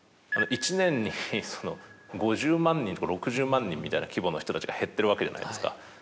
１年に５０万人とか６０万人みたいな規模の人たちが減ってるわけじゃないですか。